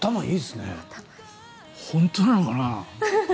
本当なのかな？